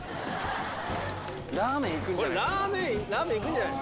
ラーメンいくんじゃない？